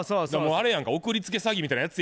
あれやんか送り付け詐欺みたいなやつやんか。